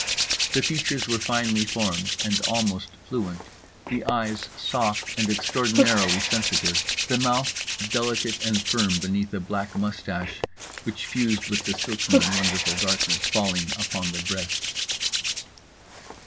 The features were finely formed and almost fluent, the eyes soft and extraordinarily sensitive, the mouth delicate and firm beneath a black moustache which fused with the silky and wonderful darkness falling upon the breast.